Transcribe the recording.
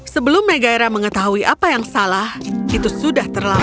sebelum mega hera mengetahui apa yang salah itu sudah terlalu